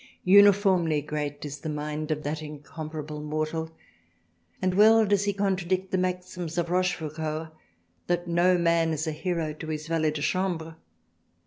" Uniformly great in the Mind of that incompar able Mortal and well does he contradict the Maxims of Rochefoucault that no man is a hero to his Valet de Chambre.